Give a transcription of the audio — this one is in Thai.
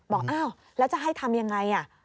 บอกอ้าวแล้วจะให้ทำยังไง